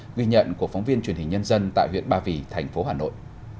ghi nhận của phóng viên truyền hình nhân dân tại huyện ba vì thành phố hà nội